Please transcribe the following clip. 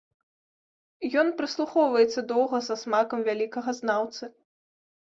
Ён прыслухоўваецца доўга са смакам вялікага знаўцы.